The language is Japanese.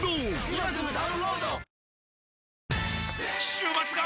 週末が！！